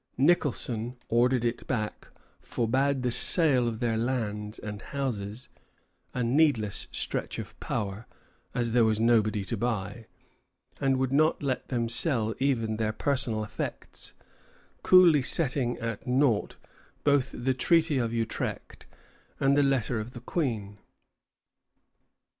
Nicholson ordered it back, forbade the sale of their lands and houses, a needless stretch of power, as there was nobody to buy, and would not let them sell even their personal effects, coolly setting at nought both the Treaty of Utrecht and the letter of the Queen.